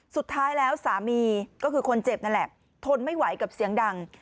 สุดท้ายแล้วสามีก็คือคนเจ็บนั่นแหละทนไม่ไหวกับเสียงดัง